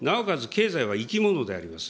経済は生き物であります。